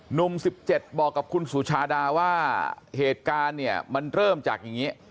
หนุ่มสิบเจ็ดบอกกับคุณสุชาดาว่าเหตุการณ์เนี่ยมันเริ่มจากอย่างงี้